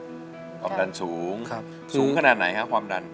ความดันสูงสูงขนาดไหนครับความดัน